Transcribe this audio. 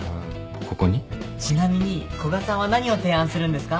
ちなみに古賀さんは何を提案するんですか？